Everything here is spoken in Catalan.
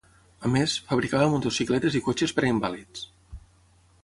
A més, fabricava motocicletes i cotxes per a invàlids.